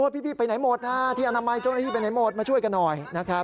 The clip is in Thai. พี่ไปไหนหมดที่อนามัยเจ้าหน้าที่ไปไหนหมดมาช่วยกันหน่อยนะครับ